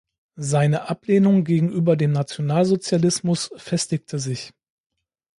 Seine Ablehnung gegenüber dem Nationalsozialismus festigte sich.